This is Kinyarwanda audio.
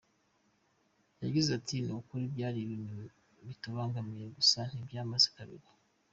Yagize ati “Ni ukuri byari ibintu bitubangamiye gusa ntibyamaze kabiri.